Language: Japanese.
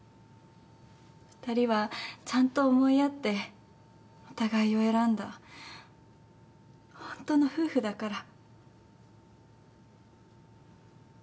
２人はちゃんと思い合ってお互いを選んだホントの夫婦だから。